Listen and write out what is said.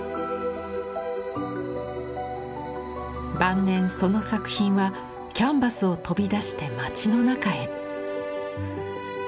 晩年その作品はキャンバスを飛び出して街の中へ。